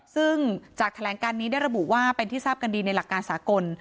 ซึ่งจากแถลงการนี้ได้ระบุว่าเป็นที่ทราบกันดีในหลักการสากล